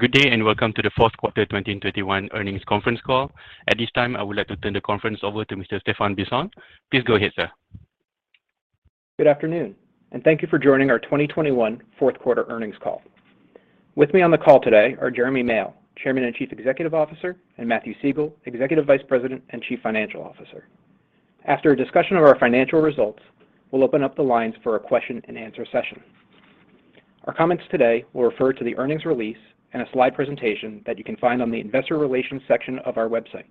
Good day, and welcome to the fourth quarter 2021 earnings conference call. At this time, I would like to turn the conference over to Mr. Stephan Bisson. Please go ahead, sir. Good afternoon, and thank you for joining our 2021 fourth quarter earnings call. With me on the call today are Jeremy Male, Chairman and Chief Executive Officer, and Matthew Siegel, Executive Vice President and Chief Financial Officer. After a discussion of our financial results, we'll open up the lines for a question-and-answer session. Our comments today will refer to the earnings release and a slide presentation that you can find on the investor relations section of our website,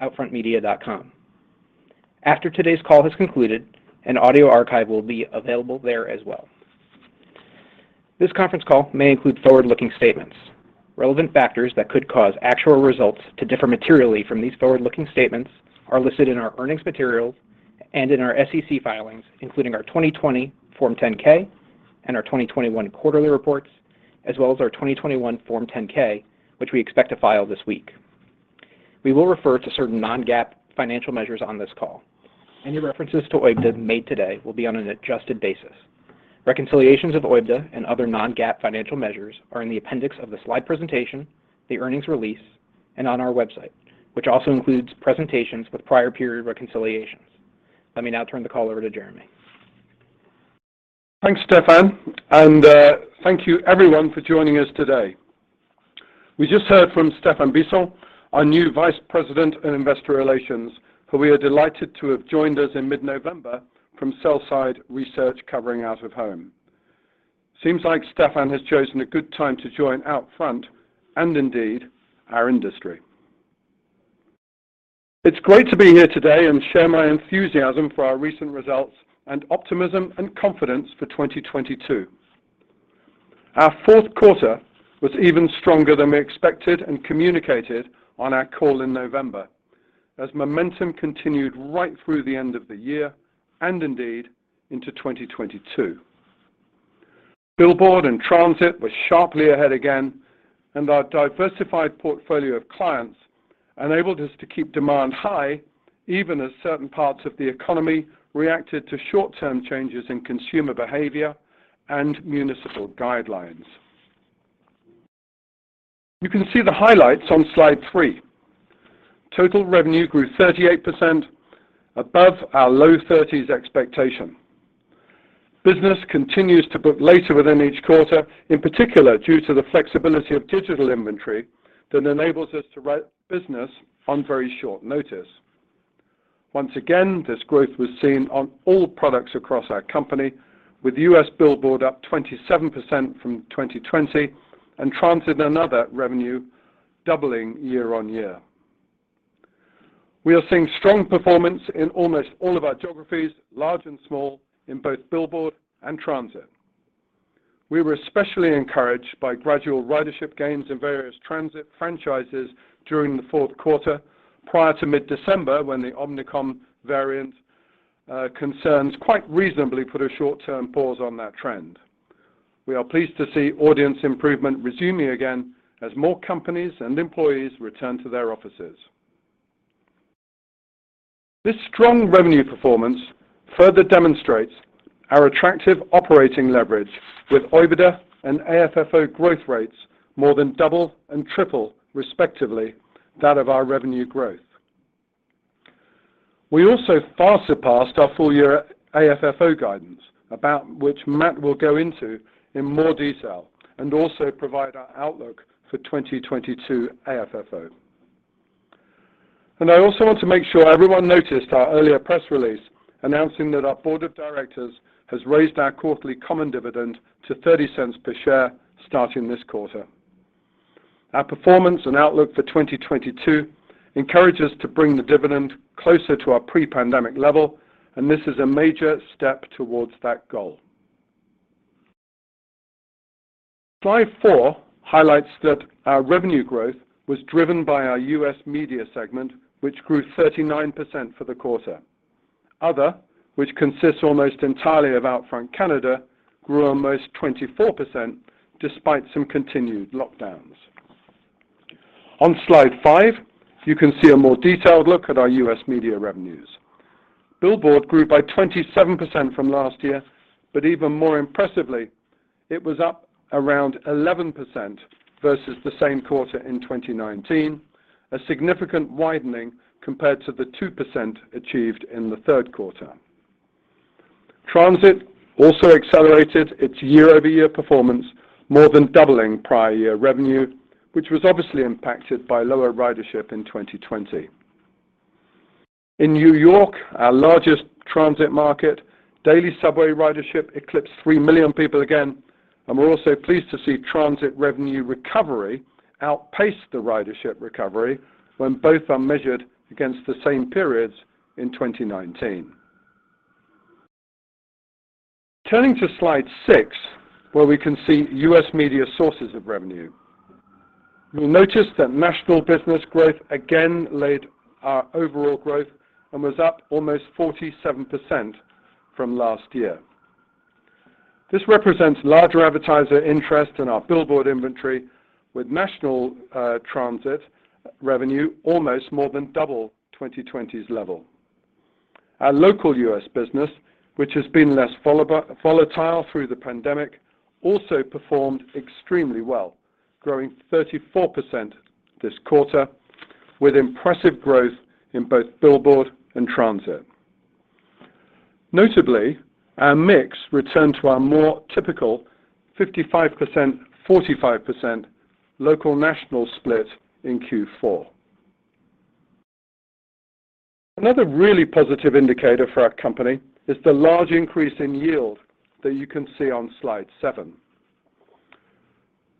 outfrontmedia.com. After today's call has concluded, an audio archive will be available there as well. This conference call may include forward-looking statements. Relevant factors that could cause actual results to differ materially from these forward-looking statements are listed in our earnings materials and in our SEC filings, including our 2020 Form 10-K and our 2021 quarterly reports, as well as our 2021 Form 10-K, which we expect to file this week. We will refer to certain non-GAAP financial measures on this call. Any references to OIBDA made today will be on an adjusted basis. Reconciliations of OIBDA and other non-GAAP financial measures are in the appendix of the slide presentation, the earnings release, and on our website, which also includes presentations with prior period reconciliations. Let me now turn the call over to Jeremy. Thanks, Stephan, and thank you everyone for joining us today. We just heard from Stephan Bisson, our new Vice President in Investor Relations, who we are delighted to have joined us in mid-November from sell-side research covering out-of-home. Seems like Stephan has chosen a good time to join Outfront and indeed our industry. It's great to be here today and share my enthusiasm for our recent results and optimism and confidence for 2022. Our fourth quarter was even stronger than we expected and communicated on our call in November as momentum continued right through the end of the year and indeed into 2022. Billboard and transit were sharply ahead again, and our diversified portfolio of clients enabled us to keep demand high, even as certain parts of the economy reacted to short-term changes in consumer behavior and municipal guidelines. You can see the highlights on slide three. Total revenue grew 38% above our low 30s expectation. Business continues to book later within each quarter, in particular, due to the flexibility of digital inventory that enables us to write business on very short notice. Once again, this growth was seen on all products across our company, with U.S. billboard up 27% from 2020 and transit another revenue doubling year-over-year. We are seeing strong performance in almost all of our geographies, large and small, in both billboard and transit. We were especially encouraged by gradual ridership gains in various transit franchises during the fourth quarter prior to mid-December, when the Omicron variant concerns quite reasonably put a short-term pause on that trend. We are pleased to see audience improvement resuming again as more companies and employees return to their offices. This strong revenue performance further demonstrates our attractive operating leverage with OIBDA and AFFO growth rates more than double and triple, respectively, that of our revenue growth. We also far surpassed our full year A-AFFO guidance about which Matt will go into in more detail and also provide our outlook for 2022 AFFO. I also want to make sure everyone noticed our earlier press release announcing that our board of directors has raised our quarterly common dividend to $0.30 per share starting this quarter. Our performance and outlook for 2022 encourages to bring the dividend closer to our pre-pandemic level, and this is a major step towards that goal. Slide four highlights that our revenue growth was driven by our U.S. media segment, which grew 39% for the quarter. Other, which consists almost entirely of Outfront Canada, grew almost 24% despite some continued lockdowns. On slide five, you can see a more detailed look at our U.S. media revenues. Billboard grew by 27% from last year, but even more impressively, it was up around 11% versus the same quarter in 2019, a significant widening compared to the 2% achieved in the third quarter. Transit also accelerated its year-over-year performance, more than doubling prior year revenue, which was obviously impacted by lower ridership in 2020. In New York, our largest transit market, daily subway ridership eclipsed three million people again. We're also pleased to see transit revenue recovery outpace the ridership recovery when both are measured against the same periods in 2019. Turning to slide six, where we can see U.S. media sources of revenue. You'll notice that national business growth again led our overall growth and was up almost 47% from last year. This represents larger advertiser interest in our billboard inventory, with national transit revenue almost more than double 2020's level. Our local U.S. business, which has been less volatile through the pandemic, also performed extremely well, growing 34% this quarter with impressive growth in both billboard and transit. Notably, our mix returned to our more typical 55%, 45% local-national split in Q4. Another really positive indicator for our company is the large increase in yield that you can see on slide seven.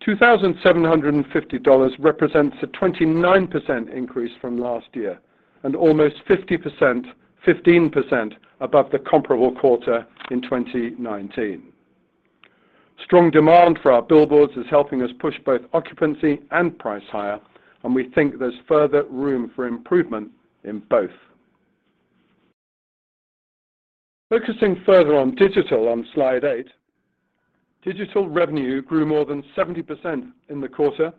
$2,750 represents a 29% increase from last year and 15% above the comparable quarter in 2019. Strong demand for our billboards is helping us push both occupancy and price higher, and we think there's further room for improvement in both. Focusing further on digital on slide eight. Digital revenue grew more than 70% in the quarter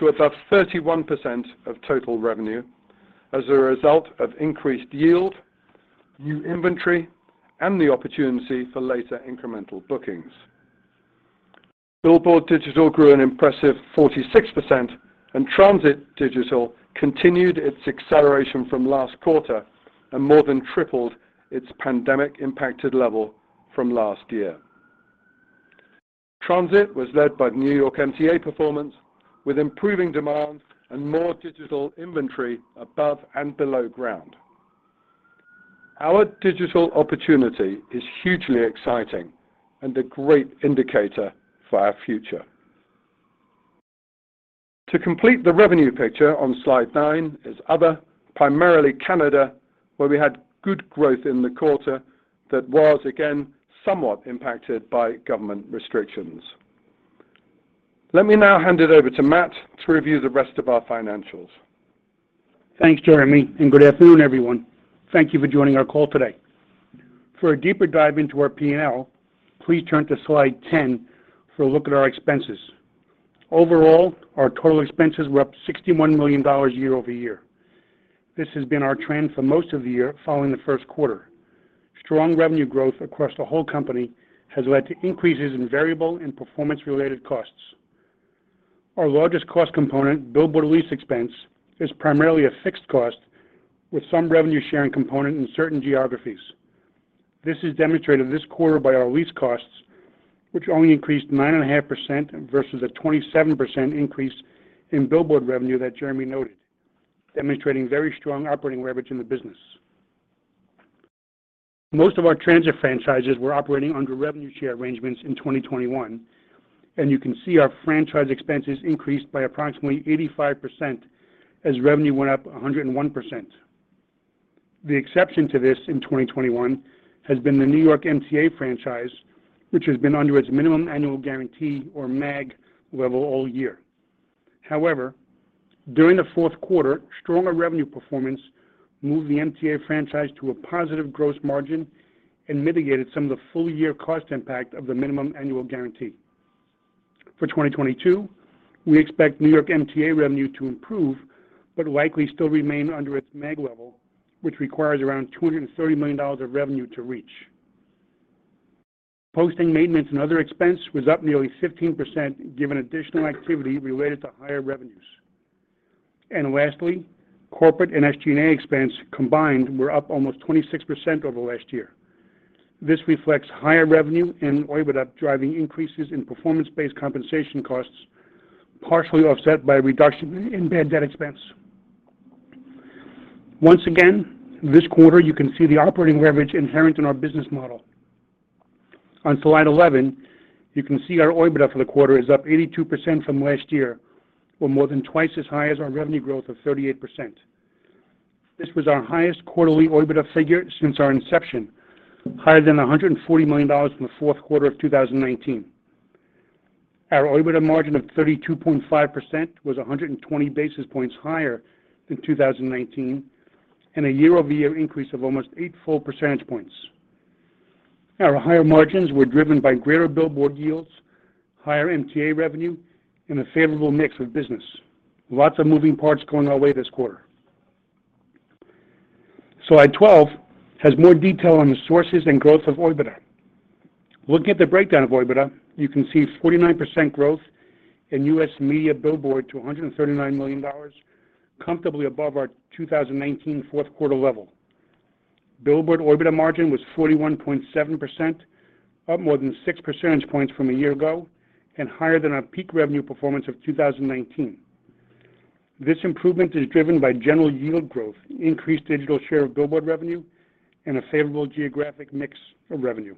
to above 31% of total revenue as a result of increased yield, new inventory, and the opportunity for later incremental bookings. Billboard digital grew an impressive 46%, and transit digital continued its acceleration from last quarter and more than tripled its pandemic impacted level from last year. Transit was led by New York MTA performance with improving demand and more digital inventory above and below ground. Our digital opportunity is hugely exciting and a great indicator for our future. To complete the revenue picture on slide nine is other, primarily Canada, where we had good growth in the quarter that was again, somewhat impacted by government restrictions. Let me now hand it over to Matt to review the rest of our financials. Thanks, Jeremy, and good afternoon, everyone. Thank you for joining our call today. For a deeper dive into our P&L, please turn to slide 10 for a look at our expenses. Overall, our total expenses were up $61 million year-over-year. This has been our trend for most of the year following the first quarter. Strong revenue growth across the whole company has led to increases in variable and performance-related costs. Our largest cost component, billboard lease expense, is primarily a fixed cost with some revenue-sharing component in certain geographies. This is demonstrated this quarter by our lease costs, which only increased 9.5% versus a 27% increase in billboard revenue that Jeremy noted, demonstrating very strong operating leverage in the business. Most of our transit franchises were operating under revenue share arrangements in 2021, and you can see our franchise expenses increased by approximately 85% as revenue went up 101%. The exception to this in 2021 has been the New York MTA franchise, which has been under its minimum annual guarantee or MAG level all year. However, during the fourth quarter, stronger revenue performance moved the MTA franchise to a positive gross margin and mitigated some of the full year cost impact of the minimum annual guarantee. For 2022, we expect New York MTA revenue to improve, but likely still remain under its MAG level, which requires around $230 million of revenue to reach. Posting maintenance and other expense was up nearly 15% given additional activity related to higher revenues. Lastly, corporate and SG&A expense combined were up almost 26% over last year. This reflects higher revenue and OIBDA driving increases in performance-based compensation costs, partially offset by a reduction in bad debt expense. Once again, this quarter, you can see the operating leverage inherent in our business model. On slide 11, you can see our OIBDA for the quarter is up 82% from last year, or more than twice as high as our revenue growth of 38%. This was our highest quarterly OIBDA figure since our inception, higher than $140 million in the fourth quarter of 2019. Our OIBDA margin of 32.5% was 120 basis points higher than 2019 and a year-over-year increase of almost eight full percentage points. Our higher margins were driven by greater billboard yields, higher MTA revenue, and a favorable mix of business. Lots of moving parts going our way this quarter. Slide 12 has more detail on the sources and growth of OIBDA. Looking at the breakdown of OIBDA, you can see 49% growth in U.S. media billboard to $139 million, comfortably above our 2019 fourth quarter level. Billboard OIBDA margin was 41.7%, up more than six percentage points from a year ago and higher than our peak revenue performance of 2019. This improvement is driven by general yield growth, increased digital share of billboard revenue, and a favorable geographic mix of revenue.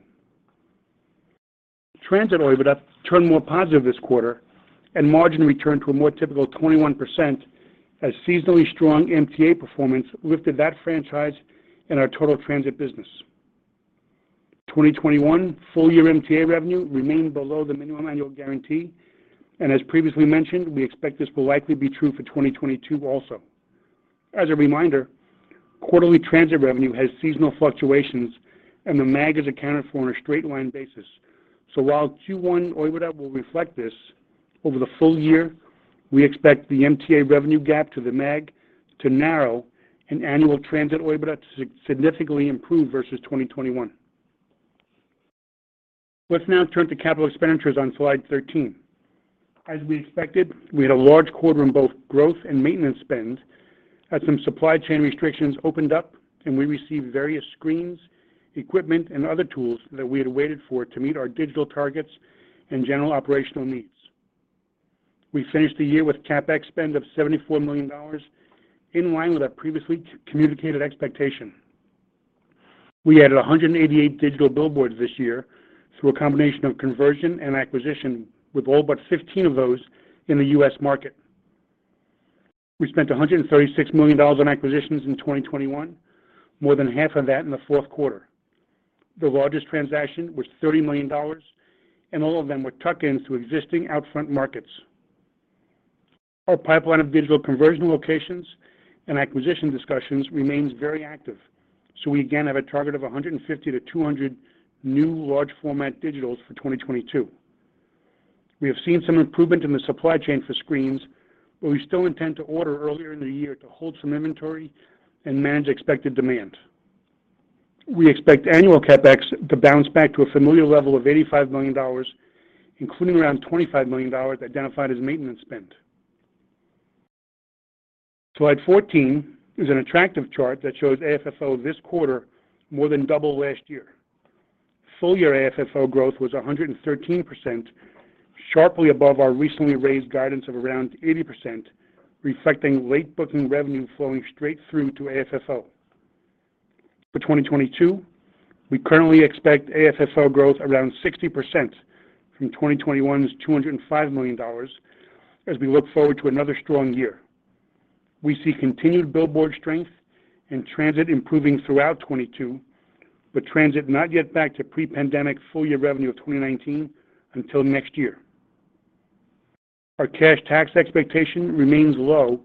Transit OIBDA turned more positive this quarter and margin returned to a more typical 21% as seasonally strong MTA performance lifted that franchise in our total transit business. 2021 full year MTA revenue remained below the minimum annual guarantee. As previously mentioned, we expect this will likely be true for 2022 also. As a reminder, quarterly transit revenue has seasonal fluctuations, and the MAG is accounted for on a straight line basis. While Q1 OIBDA will reflect this over the full year, we expect the MTA revenue gap to the MAG to narrow and annual transit OIBDA to significantly improve versus 2021. Let's now turn to capital expenditures on slide 13. As we expected, we had a large quarter in both growth and maintenance spend as some supply chain restrictions opened up and we received various screens, equipment, and other tools that we had waited for to meet our digital targets and general operational needs. We finished the year with CapEx spend of $74 million, in line with our previously communicated expectation. We added 188 digital billboards this year through a combination of conversion and acquisition, with all but 15 of those in the U.S. market. We spent $136 million on acquisitions in 2021, more than half of that in the fourth quarter. The largest transaction was $30 million, and all of them were tuck-ins to existing Outfront markets. Our pipeline of digital conversion locations and acquisition discussions remains very active, so we again have a target of 150-200 new large format digitals for 2022. We have seen some improvement in the supply chain for screens, but we still intend to order earlier in the year to hold some inventory and manage expected demand. We expect annual CapEx to bounce back to a familiar level of $85 million, including around $25 million identified as maintenance spend. Slide 14 is an attractive chart that shows AFFO this quarter more than double last year. Full year AFFO growth was 113%, sharply above our recently raised guidance of around 80%, reflecting late booking revenue flowing straight through to AFFO. For 2022, we currently expect AFFO growth around 60% from 2021's $205 million as we look forward to another strong year. We see continued billboard strength and transit improving throughout 2022, but transit not yet back to pre-pandemic full year revenue of 2019 until next year. Our cash tax expectation remains low,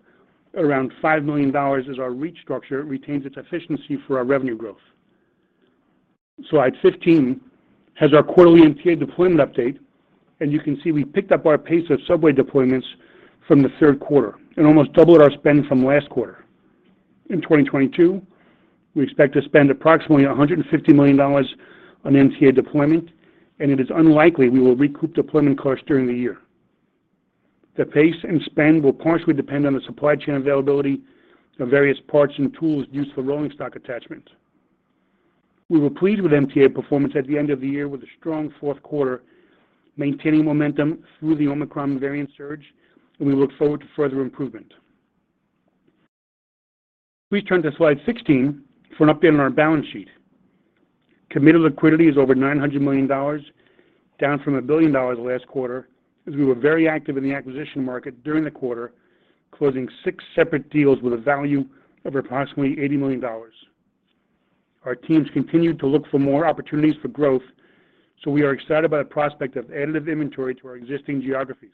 around $5 million as our REIT structure retains its efficiency for our revenue growth. Slide 15 has our quarterly MTA deployment update, and you can see we picked up our pace of subway deployments from the third quarter and almost doubled our spend from last quarter. In 2022, we expect to spend approximately $150 million on MTA deployment, and it is unlikely we will recoup deployment costs during the year. The pace and spend will partially depend on the supply chain availability of various parts and tools used for rolling stock attachment. We were pleased with MTA performance at the end of the year with a strong fourth quarter, maintaining momentum through the Omicron variant surge, and we look forward to further improvement. Please turn to slide 16 for an update on our balance sheet. Committed liquidity is over $900 million, down from $1 billion last quarter, as we were very active in the acquisition market during the quarter, closing six separate deals with a value of approximately $80 million. Our teams continued to look for more opportunities for growth, so we are excited by the prospect of additive inventory to our existing geographies.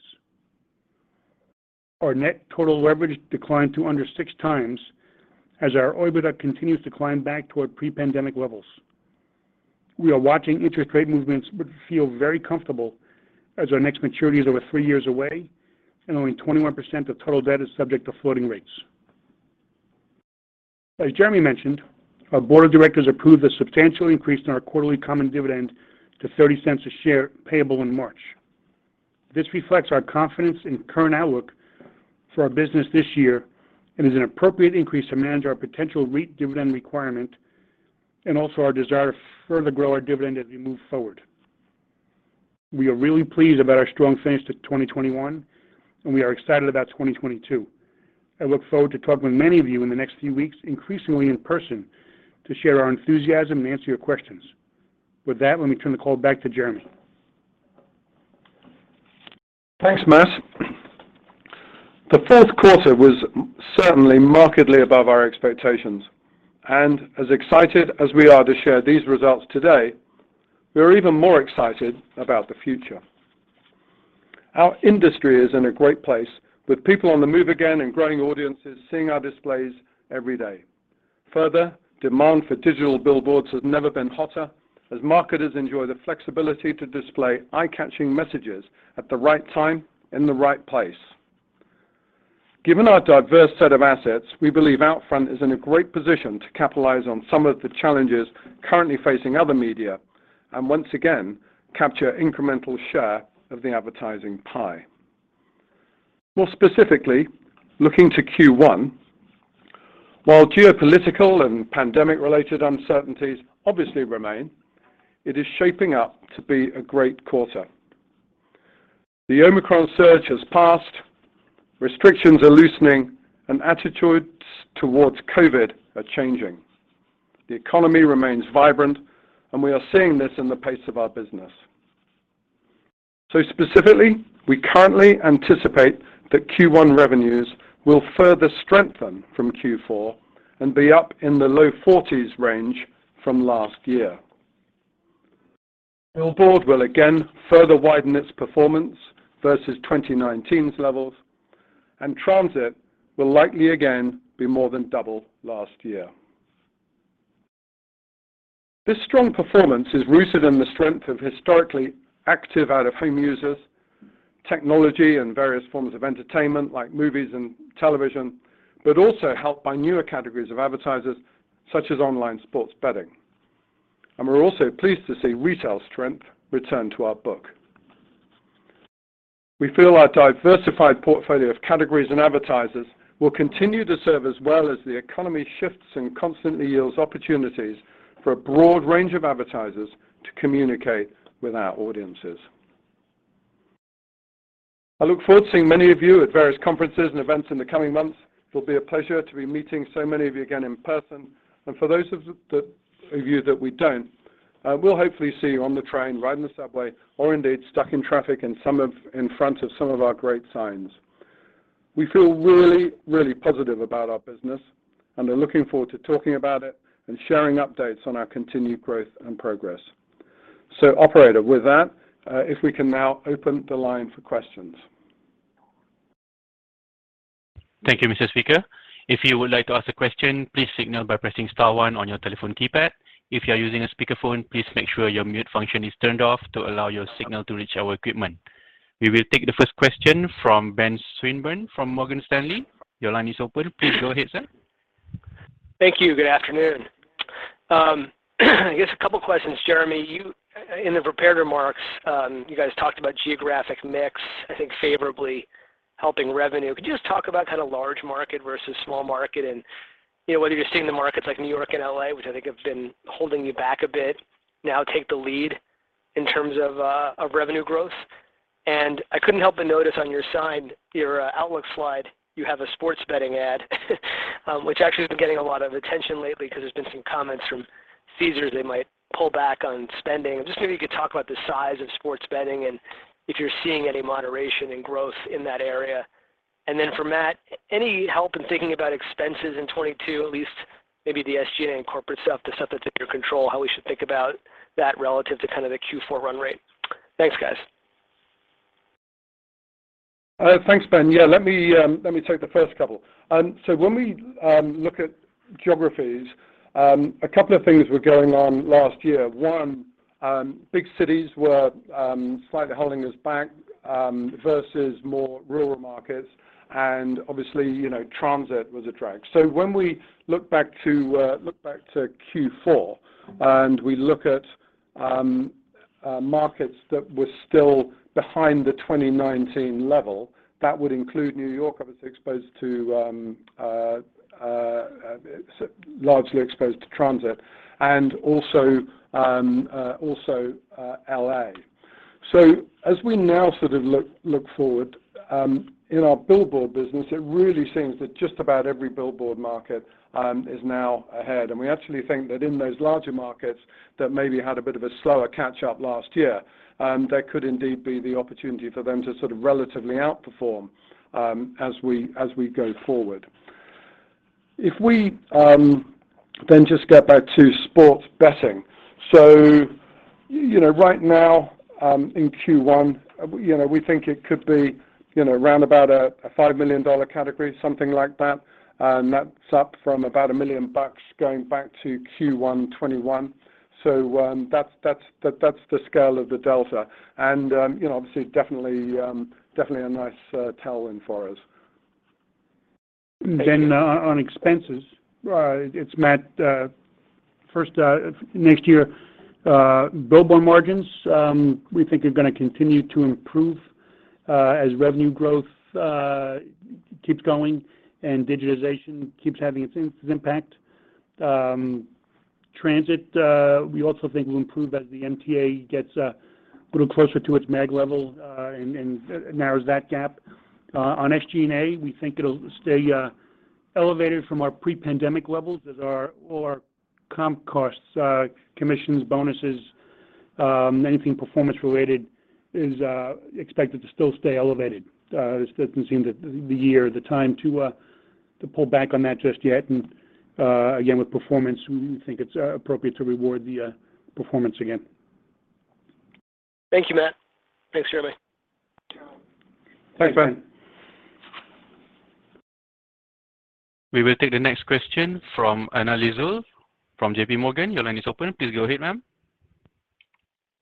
Our net total leverage declined to under 6x as our OIBDA continues to climb back toward pre-pandemic levels. We are watching interest rate movements, but feel very comfortable as our next maturity is over three years away and only 21% of total debt is subject to floating rates. As Jeremy mentioned, our board of directors approved a substantial increase in our quarterly common dividend to $0.30 a share payable in March. This reflects our confidence in current outlook for our business this year and is an appropriate increase to manage our potential REIT dividend requirement and also our desire to further grow our dividend as we move forward. We are really pleased about our strong finish to 2021, and we are excited about 2022. I look forward to talking with many of you in the next few weeks, increasingly in person, to share our enthusiasm and answer your questions. With that, let me turn the call back to Jeremy. Thanks, Matt. The fourth quarter was certainly markedly above our expectations, and as excited as we are to share these results today, we are even more excited about the future. Our industry is in a great place, with people on the move again and growing audiences seeing our displays every day. Further, demand for digital billboards has never been hotter as marketers enjoy the flexibility to display eye-catching messages at the right time in the right place. Given our diverse set of assets, we believe Outfront is in a great position to capitalize on some of the challenges currently facing other media and once again capture incremental share of the advertising pie. More specifically, looking to Q1, while geopolitical and pandemic-related uncertainties obviously remain, it is shaping up to be a great quarter. The Omicron surge has passed, restrictions are loosening, and attitudes towards COVID are changing. The economy remains vibrant, and we are seeing this in the pace of our business. Specifically, we currently anticipate that Q1 revenues will further strengthen from Q4 and be up in the low 40s range from last year. Billboard will again further widen its performance versus 2019's levels, and transit will likely again be more than double last year. This strong performance is rooted in the strength of historically active out-of-home users, technology and various forms of entertainment like movies and television, but also helped by newer categories of advertisers, such as online sports betting. We're also pleased to see retail strength return to our book. We feel our diversified portfolio of categories and advertisers will continue to serve as well as the economy shifts and constantly yields opportunities for a broad range of advertisers to communicate with our audiences. I look forward to seeing many of you at various conferences and events in the coming months. It will be a pleasure to be meeting so many of you again in person. For those of you that we don't, we'll hopefully see you on the train, riding the subway, or indeed stuck in traffic in front of some of our great signs. We feel really positive about our business and are looking forward to talking about it and sharing updates on our continued growth and progress. Operator, with that, if we can now open the line for questions. Thank you, Mr. Speaker. If you would like to ask a question, please signal by pressing star one on your telephone keypad. If you are using a speakerphone, please make sure your mute function is turned off to allow your signal to reach our equipment. We will take the first question from Ben Swinburne from Morgan Stanley. Your line is open. Please go ahead, sir. Thank you. Good afternoon. I guess a couple of questions, Jeremy. In the prepared remarks, you guys talked about geographic mix, I think favorably helping revenue. Could you just talk about kind of large market versus small market and, you know, whether you're seeing the markets like New York and L.A., which I think have been holding you back a bit now take the lead in terms of of revenue growth. I couldn't help but notice on your outlook slide, you have a sports betting ad, which actually has been getting a lot of attention lately because there's been some comments from Caesars they might pull back on spending. Just maybe you could talk about the size of sports betting and if you're seeing any moderation in growth in that area. For Matt, any help in thinking about expenses in 2022, at least maybe the SG&A and corporate stuff, the stuff that's in your control, how we should think about that relative to kind of the Q4 run rate. Thanks, guys. Thanks, Ben. Yeah. Let me take the first couple. When we look at geographies, a couple of things were going on last year. One, big cities were slightly holding us back versus more rural markets. Obviously, you know, transit was a drag. When we look back to Q4, and we look at markets that were still behind the 2019 level, that would include New York, obviously largely exposed to transit, and also L.A. As we now sort of look forward in our billboard business, it really seems that just about every billboard market is now ahead. We actually think that in those larger markets that maybe had a bit of a slower catch up last year, there could indeed be the opportunity for them to sort of relatively outperform, as we go forward. If we then just get back to sports betting. You know, right now, in Q1, you know, we think it could be, you know, around about $5 million category, something like that. That's up from about $1 million going back to Q1 2021. That's the scale of the delta. You know, obviously, definitely a nice tailwind for us. Thank you. On expenses, it's Matthew, first, next year, billboard margins, we think are gonna continue to improve, as revenue growth keeps going and digitization keeps having its impact. Transit, we also think will improve as the MTA gets a little closer to its MAG level, and narrows that gap. On SG&A, we think it'll stay elevated from our pre-pandemic levels as our comp costs, commissions, bonuses, anything performance related is expected to still stay elevated. This doesn't seem the year, the time to pull back on that just yet. Again, with performance, we think it's appropriate to reward the performance again. Thank you, Matt. Thanks, Jeremy. Thanks, Ben. We will take the next question from Alexia Quadrani from J.P. Morgan. Your line is open. Please go ahead, ma'am.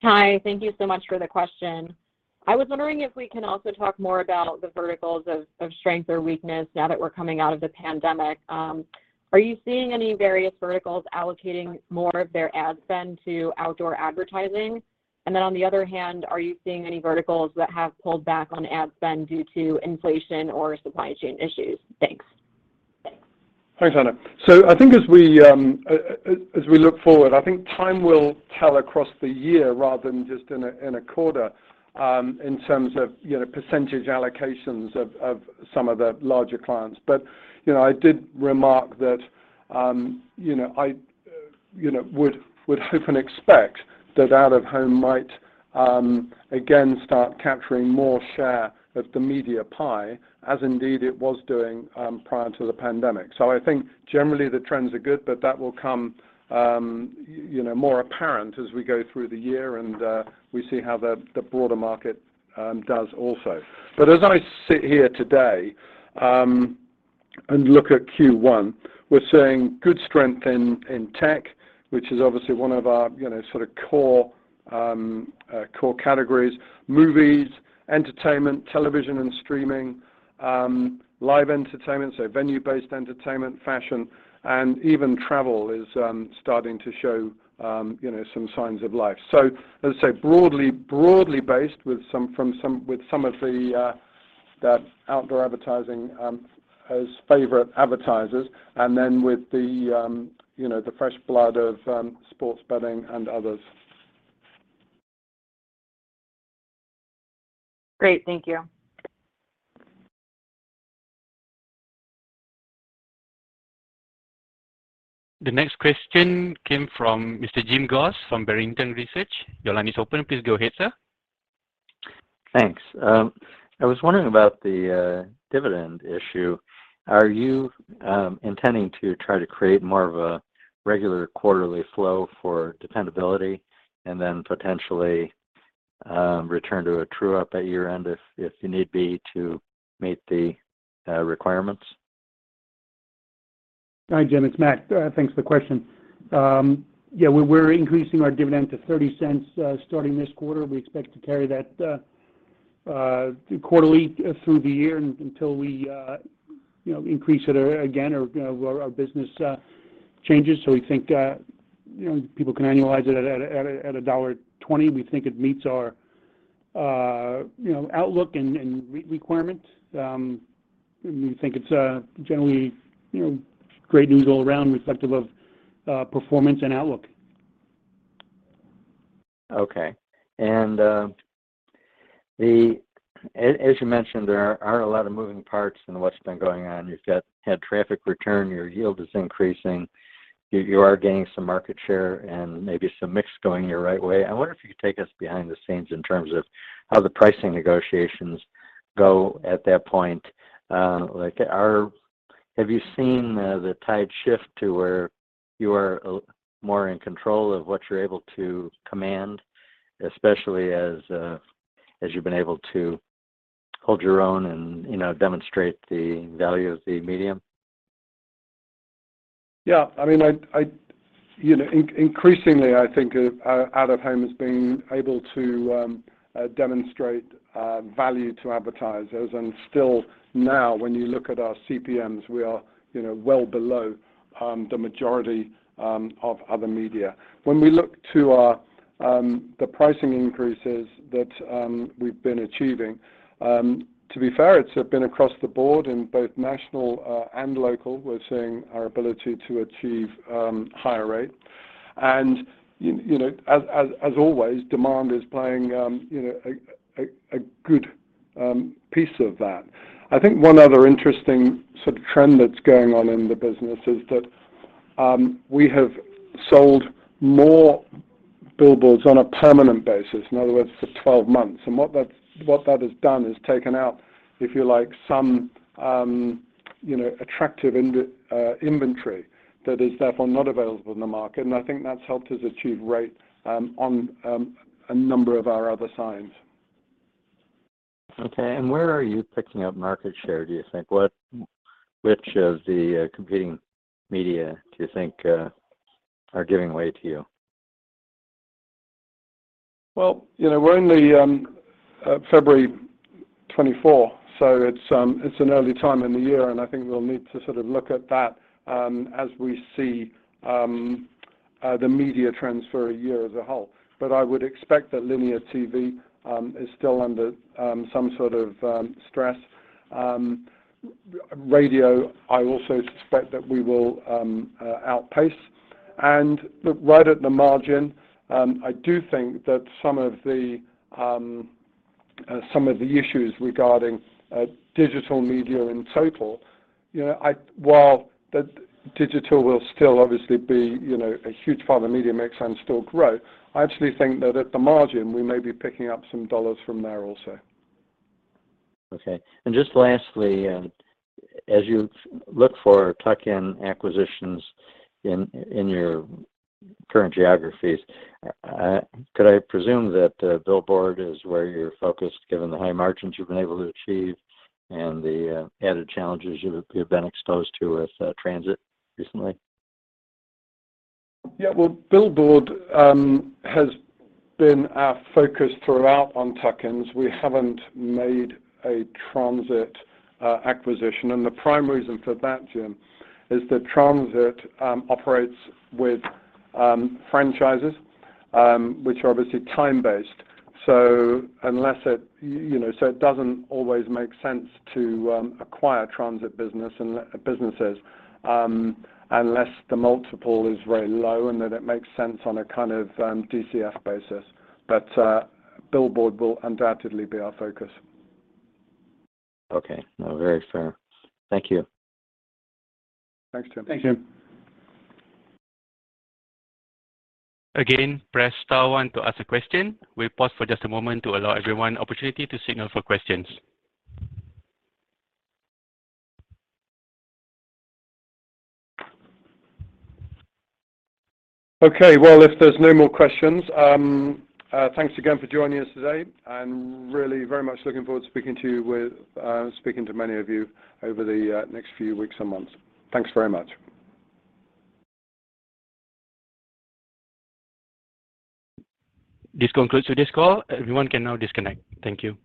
Hi. Thank you so much for the question. I was wondering if we can also talk more about the verticals of strength or weakness now that we're coming out of the pandemic. Are you seeing any various verticals allocating more of their ad spend to outdoor advertising? On the other hand, are you seeing any verticals that have pulled back on ad spend due to inflation or supply chain issues? Thanks. Thanks, Alexia. I think as we look forward, I think time will tell across the year rather than just in a quarter in terms of, you know, percentage allocations of some of the larger clients. But, you know, I did remark that, you know, I would hope and expect that out-of-home might again start capturing more share of the media pie as indeed it was doing prior to the pandemic. I think generally the trends are good, but that will come, you know, more apparent as we go through the year and we see how the broader market does also. But as I sit here today and look at Q1. We're seeing good strength in tech, which is obviously one of our, you know, sort of core categories. Movies, entertainment, television and streaming, live entertainment, so venue-based entertainment, fashion, and even travel is starting to show, you know, some signs of life. As I say, broadly based with some of the that outdoor advertising as favorite advertisers and then with the, you know, the fresh blood of sports betting and others. Great. Thank you. The next question came from Mr. Jim Goss from Barrington Research. Your line is open. Please go ahead, sir. Thanks. I was wondering about the dividend issue. Are you intending to try to create more of a regular quarterly flow for dependability and then potentially return to a true up at year-end if need be to meet the requirements? Hi, Jim, it's Matt. Thanks for the question. We're increasing our dividend to $0.30 starting this quarter. We expect to carry that quarterly through the year until we you know increase it again or you know our business changes. We think people can annualize it at a $1.20. We think it meets our outlook and requirement. We think it's generally you know great news all around reflective of performance and outlook. Okay. As you mentioned, there are a lot of moving parts in what's been going on. You had traffic return, your yield is increasing, you are gaining some market share and maybe some mix going your right way. I wonder if you could take us behind the scenes in terms of how the pricing negotiations go at that point. Like, have you seen the tide shift to where you are more in control of what you're able to command, especially as you've been able to hold your own and, you know, demonstrate the value of the medium? Yeah, I mean, you know, increasingly, I think of out of home as being able to demonstrate value to advertisers. Still now when you look at our CPMs, we are, you know, well below the majority of other media. When we look to our, the pricing increases that we've been achieving, to be fair, it's been across the board in both national and local. We're seeing our ability to achieve higher rate. You know, as always, demand is playing, you know, a good piece of that. I think one other interesting sort of trend that's going on in the business is that, we have sold more billboards on a permanent basis, in other words, for 12 months. What that has done is taken out, if you like, some, you know, attractive inventory that is therefore not available in the market. I think that's helped us achieve rate on a number of our other signs. Okay. Where are you picking up market share, do you think? Which of the competing media do you think are giving way to you? Well, you know, we're only February 24, so it's an early time in the year, and I think we'll need to sort of look at that as we see the media trends for a year as a whole. I would expect that linear TV is still under some sort of stress. Radio, I also suspect that we will outpace. Look, right at the margin, I do think that some of the issues regarding digital media in total, you know, while the digital will still obviously be, you know, a huge part of the media mix and still grow, I actually think that at the margin we may be picking up some dollars from there also. Okay. Just lastly, as you look for tuck-in acquisitions in your current geographies, could I presume that billboard is where you're focused given the high margins you've been able to achieve and the added challenges you've been exposed to with transit recently? Yeah. Well, billboard has been our focus throughout on tuck-ins. We haven't made a transit acquisition. The prime reason for that, Jim, is that transit operates with franchises, which are obviously time-based. Unless it you know, it doesn't always make sense to acquire transit businesses unless the multiple is very low and that it makes sense on a kind of DCF basis. Billboard will undoubtedly be our focus. Okay. No, very fair. Thank you. Thanks, Jim. Thank you. Again, press star one to ask a question. We'll pause for just a moment to allow everyone opportunity to signal for questions. Okay. Well, if there's no more questions, thanks again for joining us today and really very much looking forward to speaking to many of you over the next few weeks and months. Thanks very much. This concludes today's call. Everyone can now disconnect. Thank you.